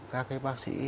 các bác sĩ